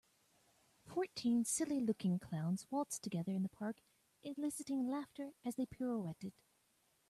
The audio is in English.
Fourteen silly looking clowns waltzed together in the park eliciting laughter as they pirouetted.